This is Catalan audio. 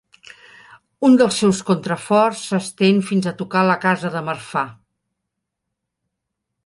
Un dels seus contraforts s'estén fins a tocar la Casa de Marfà.